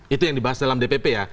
itu yang dibahas dalam dpp ya